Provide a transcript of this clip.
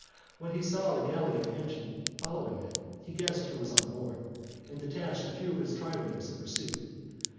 When he saw the galley of Antony following it, he guessed who was on board, and detached a few of his triremes in pursuit.